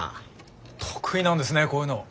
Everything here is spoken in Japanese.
得意なんですねこういうの。